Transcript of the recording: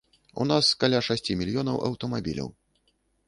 У нас каля шасці мільёнаў аўтамабіляў.